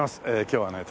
今日はね